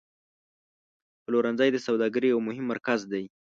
پلورنځی د سوداګرۍ یو مهم مرکز دی.